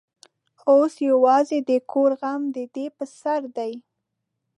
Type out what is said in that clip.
اوس یوازې د کور غم د ده پر سر دی.